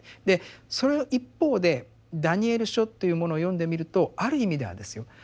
でそれの一方で「ダニエル書」というものを読んでみるとある意味ではですよ